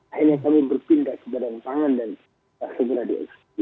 akhirnya kami berpindah ke barang pangan dan segera diagresif